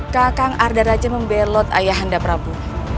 kakang arda raja membelot ayah anda prabu